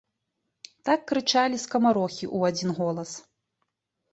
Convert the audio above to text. Так крычалі скамарохі ў адзін голас.